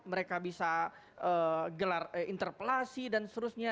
mereka bisa gelar interpelasi dan seterusnya